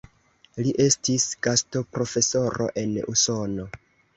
Li estis gastoprofesoro en Usono.